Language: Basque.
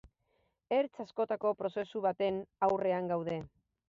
Ertz askotako prozesu baten aurrean gaude.